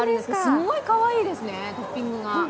すごいかわいいですね、トッピングが。